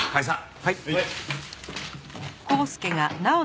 はい。